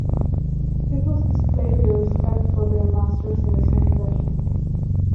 Pupils display their respect for their masters in the same fashion.